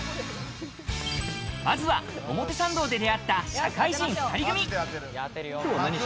まずは表参道で出会った社会人２人組。